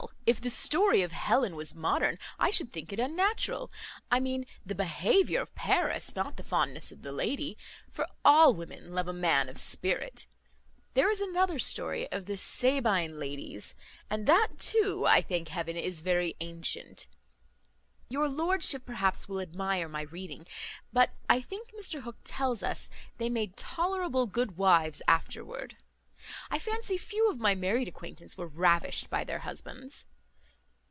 if the story of Helen was modern, I should think it unnatural. I mean the behaviour of Paris, not the fondness of the lady; for all women love a man of spirit. There is another story of the Sabine ladies and that too, I thank heaven, is very antient. Your lordship, perhaps, will admire my reading; but I think Mr Hook tells us, they made tolerable good wives afterwards. I fancy few of my married acquaintance were ravished by their husbands."